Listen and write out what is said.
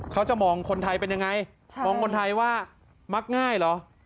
เขาจะมองคนไทยเป็นยังไงมองคนไทยว่ามักง่ายเหรอ